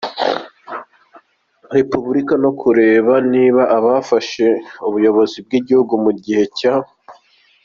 repubulika no kureba niba abafashe ubuyobozi bw’igihugu, mu gihe cya